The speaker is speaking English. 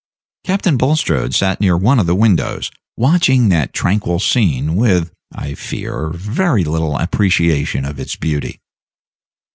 Captain Bulstrode sat near one of the open windows, watching that tranquil scene, with, I fear, very little appreciation of its beauty.